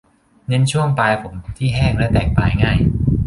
เน้นช่วงปลายผมที่แห้งและแตกปลายง่าย